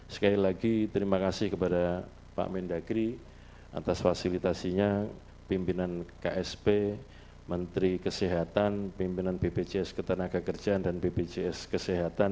sekali lagi terima kasih kepada pak mendagri atas fasilitasinya pimpinan ksp menteri kesehatan pimpinan bpjs ketenaga kerjaan dan bpjs kesehatan